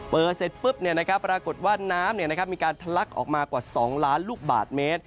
เสร็จปุ๊บปรากฏว่าน้ำมีการทะลักออกมากว่า๒ล้านลูกบาทเมตร